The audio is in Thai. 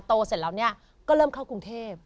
เสร็จแล้วเนี่ยก็เริ่มเข้ากรุงเทพ